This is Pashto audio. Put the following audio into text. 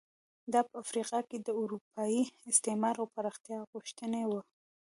دا په افریقا کې د اروپایي استعمار او پراختیا غوښتنې وو.